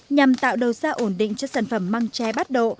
nhằm tạo đầu ra ổn định cho sản phẩm măng chai bắt độ